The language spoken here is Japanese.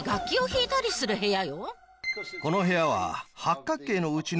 この部屋は。